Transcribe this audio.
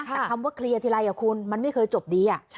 แต่คำว่าเคลียร์ทีไรคุณมันไม่เคยจบดี